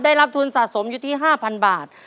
ได้รับทุนสะสมอยู่ที่๕๐๐บาท